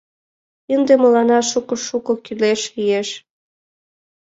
Ынде мыланна шуко-шуко кӱлеш лиеш.